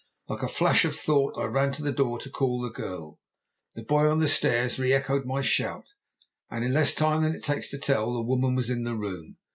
Like a flash of thought I ran to the door to call the girl, the boy on the stairs re echoed my shout, and in less time than it takes to tell the woman was in the room.